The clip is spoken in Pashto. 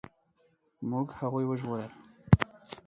موږ هغوی وژغورل.